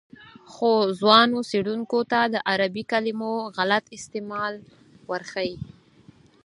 خو ځوانو څېړونکو ته د عربي کلمو غلط استعمال ورښيي.